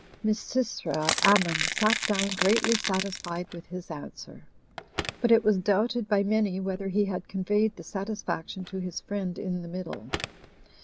Misysra Ammon sat down greatly satisfied with his answer, but it was doubted by many whether he had conveyed the satisfaction to his friend in the middle.